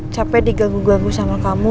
capek diganggu ganggu sama kamu